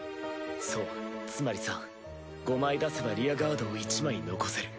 そうつまりさ５枚出せばリアガードを１枚残せる。